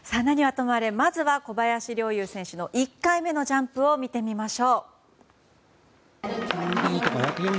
何はともあれ、まずは小林陵侑選手の１回目のジャンプ見てみましょう。